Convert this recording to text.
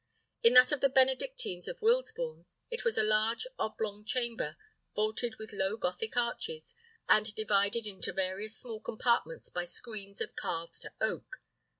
In that of the Benedictines of Wilsbourne, it was a large oblong chamber, vaulted with low Gothic arches, and divided into various small compartments by skreens of carved oak.